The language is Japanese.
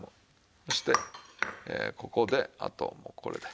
そしてここであともうこれで。